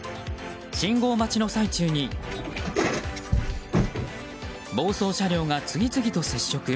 信号待ちの最中に暴走車両が次々と接触。